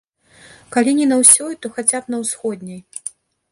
Калі не на ўсёй, то хаця б на ўсходняй.